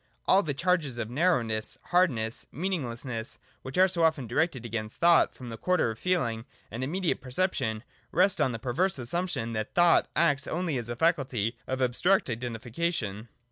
All the charges of narrow ness, hardness, meaninglessness, which are so often directed against thought from the quarter of feeling and immediate perception, rest on the perverse assumption that thought acts only as a faculty of abstract Identification.